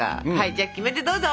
じゃあキメテどうぞ！